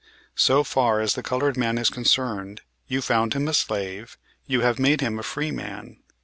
So far as the colored man is concerned, you found him a slave; you have made him a free man.